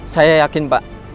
saya yakin pak